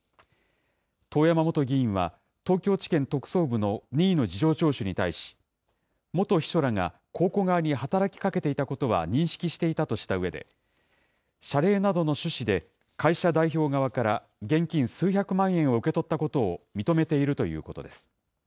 遠山元議員は、東京地検特捜部の任意の事情聴取に対し、元秘書らが公庫側に働きかけていたことは認識していたとしたうえで、謝礼などの趣旨で、会社代表側から現金数百万円を受け取ったことを認めているということです。